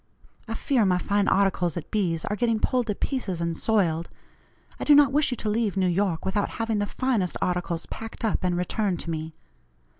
I fear my fine articles at B.'s are getting pulled to pieces and soiled. I do not wish you to leave N.Y. without having the finest articles packed up and returned to me.